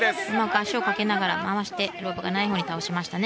足をかけながら回してロープがないほうに倒しましたね。